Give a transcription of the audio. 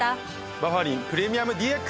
バファリンプレミアムＤＸ！